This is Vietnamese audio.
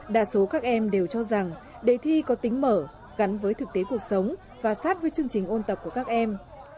đa số các em đều cho rằng đề thi có tính mở gắn với thực tế cuộc sống và sát với chương trình ôn tập của các em